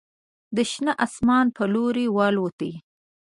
د شنه اسمان په لوري والوتې